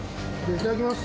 いただきます。